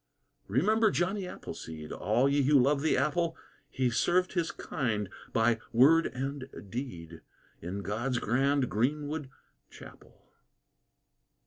Remember Johnny Appleseed, All ye who love the apple; He served his kind by Word and Deed, In God's grand greenwood chapel.